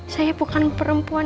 saya bukan perempuan